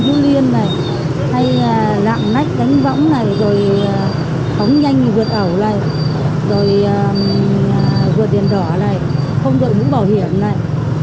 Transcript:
tôi thấy là các cháu thanh thú liên này hay là lạng lách đánh võng này rồi phóng nhanh vượt ẩu này rồi vượt điện rõ này không đổi mũ bảo hiểm này